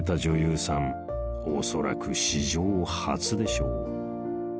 おそらく史上初でしょう］